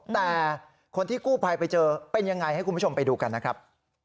แต่คนที่กู้ภัยไปเจอเป็นยังไงให้คุณผู้ชมไปดูกันนะครับ